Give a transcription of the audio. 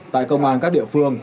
tại công an các địa phương